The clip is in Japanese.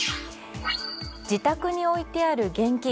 自宅に置いてある現金